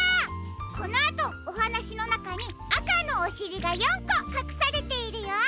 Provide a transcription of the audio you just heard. このあとおはなしのなかにあかのおしりが４こかくされているよ。